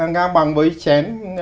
nga bằng với chén